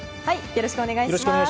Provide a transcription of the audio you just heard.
よろしくお願いします。